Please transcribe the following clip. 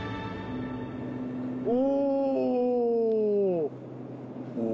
お！